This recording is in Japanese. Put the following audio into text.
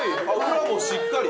裏もしっかり。